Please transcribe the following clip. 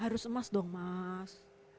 harus emas dong mas